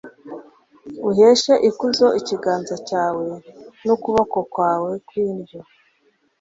uheshe ikuzo ikiganza cyawe, n'ukuboko kwawe kw'indyo